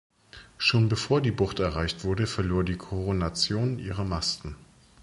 Schon bevor die Bucht erreicht wurde, verlor die "Coronation" ihre Masten.